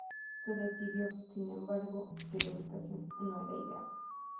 Se decidió, sin embargo, que la ubicación no era ideal.